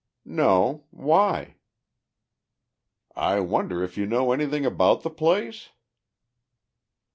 "No. Why?" "I wonder if you know anything about the place?"